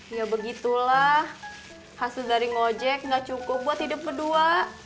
ya begitulah hasil dari ngojek nggak cukup buat hidup berdua